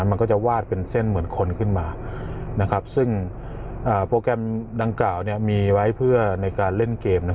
มันก็จะวาดเป็นเส้นเหมือนคนขึ้นมาซึ่งโปรแกรมดังกล่าวมีไว้เพื่อในการเล่นเกม